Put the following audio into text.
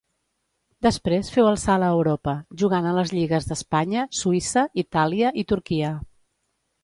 Després féu el salt a Europa, jugant a les lligues d'Espanya, Suïssa, Itàlia i Turquia.